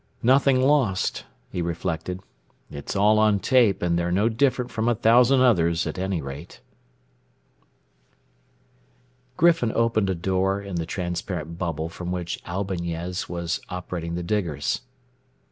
Nothing lost, he reflected. It's all on tape and they're no different from a thousand others at any rate. Griffin opened a door in the transparent bubble from which Albañez was operating the diggers.